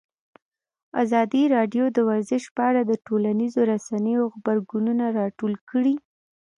ازادي راډیو د ورزش په اړه د ټولنیزو رسنیو غبرګونونه راټول کړي.